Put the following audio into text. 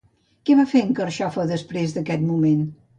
Què va fer en Carxofa, després d'aquest moment?